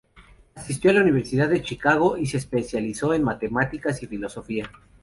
Asistió a la Universidad de Chicago y se especializó en matemáticas y filosofía.